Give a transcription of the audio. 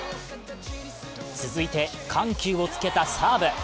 続いて緩急をつけたサーブ。